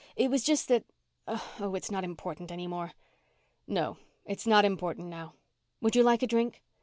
It was just that oh, it's not important any more." "No. It's not important now." "Would you like a drink?"